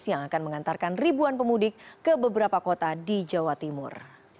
yang akan mengantarkan ribuan pemudik ke beberapa kota di jawa timur